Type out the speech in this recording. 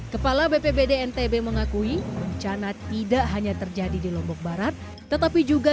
kepala bpbd ntb mengakui bencana tidak hanya terjadi di lombok barat tetapi juga